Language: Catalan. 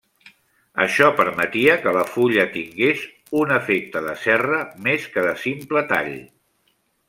Això permetia que la fulla tingués un efecte de serra més que de simple tall.